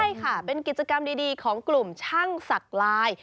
ใช่ค่ะเป็นกิจกรรมดีของกลุ่มช่างศักดิ์ลาย